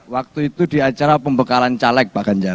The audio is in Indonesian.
waktu itu di acara pembekalan caleg bakanjar